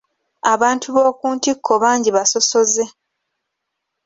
Abantu b'oku ntikko bangi basosoze.